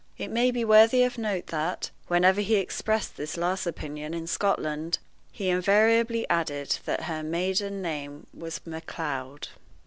It may be worthy of note that, whenever he expressed this last opinion in Scotland, he invariably added that her maiden name was Macleod.